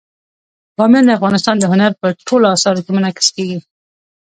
بامیان د افغانستان د هنر په ټولو اثارو کې منعکس کېږي.